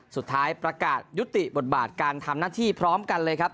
สุดท้ายประกาศยุติบทบาทการทำหน้าที่พร้อมกันเลยครับ